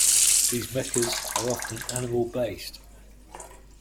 These mechas are often animal-based.